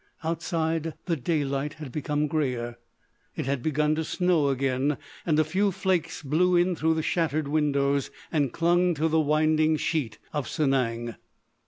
Outside, the daylight had become greyer. It had begun to snow again, and a few flakes blew in through the shattered windows and clung to the winding sheet of Sanang.